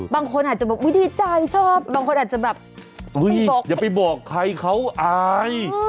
บางคนอาจจะบอกอุ๊ยดีใจชอบบางคนอาจจะแบบอย่าไปบอกใครเขาอาย